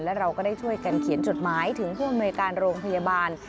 และเราก็ได้ช่วยกันเขียนจดหมายถึงผู้อำนวยการโรงพยาบาล